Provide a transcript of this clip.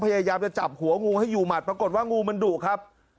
พยายามจะจับหัวงูให้อยู่หมัดปรากฏว่างูมันดุครับ